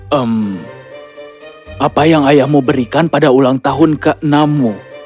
hmm apa yang ayahmu berikan pada ulang tahun ke enammu